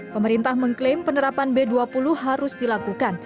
pemerintah mengklaim penerapan b dua puluh harus dilakukan